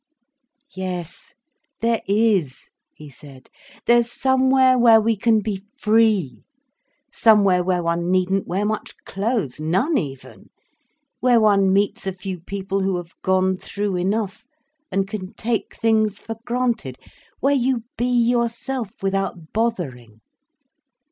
"Yes there is," he said. "There's somewhere where we can be free—somewhere where one needn't wear much clothes—none even—where one meets a few people who have gone through enough, and can take things for granted—where you be yourself, without bothering.